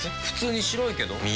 普通に白いけど。